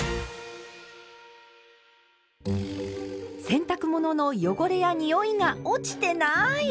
洗濯物の汚れやにおいが落ちてない！